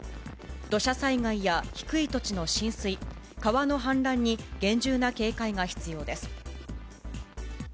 土砂災害や低い土地の浸水、川の氾濫に厳重な警戒が必要です。